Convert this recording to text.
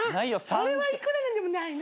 それはいくら何でもないな。